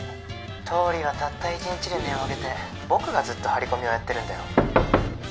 「倒理はたった一日で音を上げて僕がずっと張り込みをやってるんだよ」